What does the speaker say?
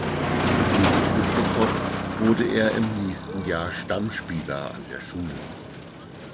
Nichtsdestotrotz wurde er im nächsten Jahr Stammspieler an der Schule.